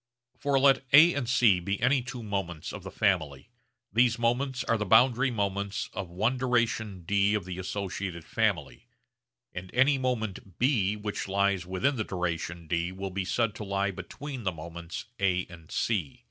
For let A and C be any two moments of the family, these moments are the boundary moments of one duration d of the associated family, and any moment B which lies within the duration d will be said to lie between the moments A and C.